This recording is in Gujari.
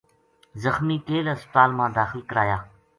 زخمی کیل ہسپتال ما داخل کرایا